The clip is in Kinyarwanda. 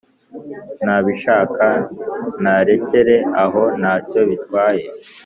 Nabishaka narekere aho ntacyo bitwaye